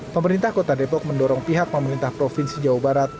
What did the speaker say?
pemerintah kota depok mendorong pihak pemerintah provinsi jawa barat